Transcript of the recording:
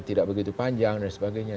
tidak begitu panjang dan sebagainya